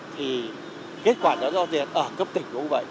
thì kết quả nó do việc ở cấp tỉnh cũng vậy